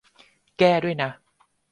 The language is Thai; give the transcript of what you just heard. แก้ด้วยนะ